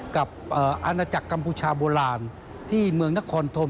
กับอาณาจักรกัมพูชาโบราณที่เมืองนครธม